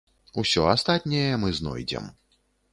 Усё астатняе мы знойдзем.